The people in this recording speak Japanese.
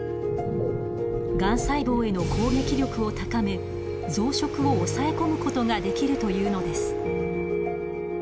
がん細胞への攻撃力を高め増殖を抑え込むことができるというのです。